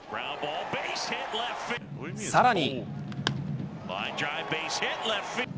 さらに。